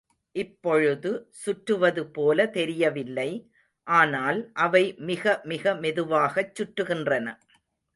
இப்பொழுது சுற்றுவதுபோல தெரியவில்லை, ஆனால், அவை மிக மிக மெதுவாகச் சுற்றுகின்றன.